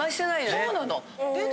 そうなの。